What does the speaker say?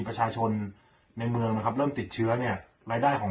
ประชาชนในเมืองนะครับเริ่มติดเชื้อเนี่ยรายได้ของ